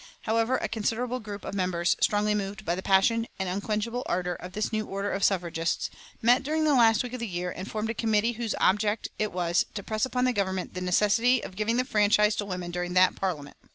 However, a considerable group of members, strongly moved by the passion and unquenchable ardor of this new order of suffragists, met during the last week of the year and formed a committee whose object it was to press upon the government the necessity of giving the franchise to women during that Parliament.